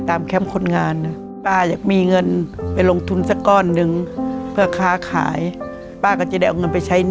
มาต่อเลยนะครับจากเรื่อง